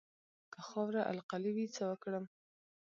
که خاوره القلي وي څه وکړم؟